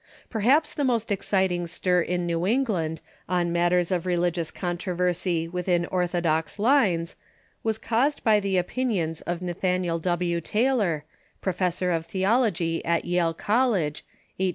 Perhaps the most exciting stir in New England on matters of religious controversy within orthodox lines was caused by the opinions of Nathaniel W, Taylor, professor of theology at Yale College, 1822 58.